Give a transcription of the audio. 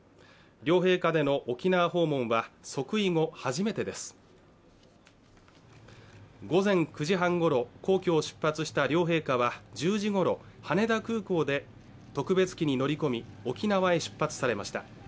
両陛下の沖縄訪問は即位後初めてです午前９時半ごろ皇居を出発した両陛下は１０時ごろ羽田空港で特別機に乗り込み沖縄へ出発されました